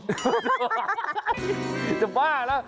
จะบ้าแล้ว